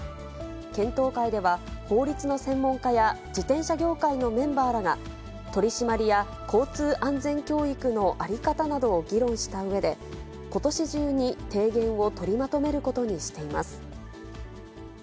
検討会では、法律の専門家や自転車業界のメンバーらが、取締りや交通安全教育の在り方などを議論したうえで、ことし中に提言を取りまとめることにしています。